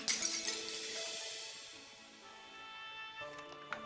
tapi saya terus peduli terhadap negeri